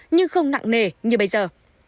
nhưng không nặng nề như bây giờ